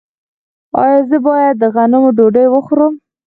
ایا زه باید د غنمو ډوډۍ وخورم؟